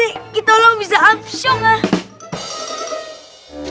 nanti kita bisa absur